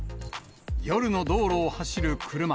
夜の道路を走る車。